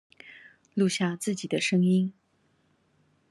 錄下自己的聲音